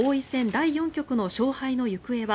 第４局の勝敗の行方は